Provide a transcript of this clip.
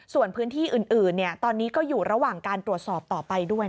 ส่วนพื้นที่อื่นตอนนี้ก็อยู่ระหว่างการตรวจสอบต่อไปด้วย